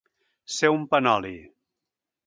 Ser un panoli.